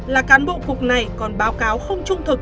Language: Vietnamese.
là cán bộ cục này còn báo cáo không trung thực